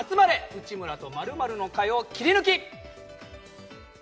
内村と○○の会」をキリヌキ！